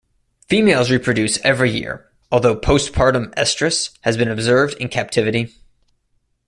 Females reproduce every year, although postpartum estrus has been observed in captivity.